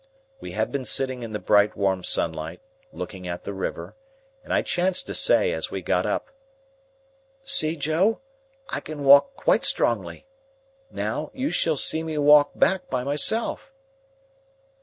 We had been sitting in the bright warm sunlight, looking at the river, and I chanced to say as we got up,— "See, Joe! I can walk quite strongly. Now, you shall see me walk back by myself."